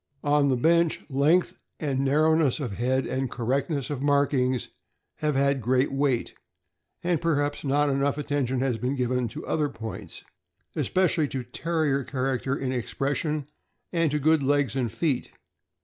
On the bench, length and narrowness of head and cor rectness of markings have had great weight, and perhaps not enough attention has been given to other points, espe cially to Terrier character in expression, and to good legs and feet.